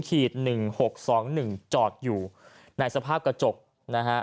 หนึ่งหกสองหนึ่งจอดอยู่ในสภาพกระจกนะฮะ